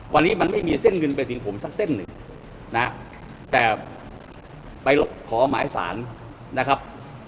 วันนี้มันไม่มีเส้นเงินไปถึงผมสักเส้นหนึ่งนะแต่ไปขอหมายสารนะครับ